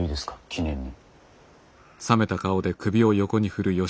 記念に。